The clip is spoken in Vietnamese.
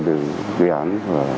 để gây án